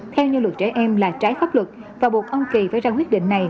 theo như luật trẻ em là trái pháp luật và buộc ông kỳ phải ra quyết định này